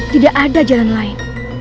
tidak ada jalan lain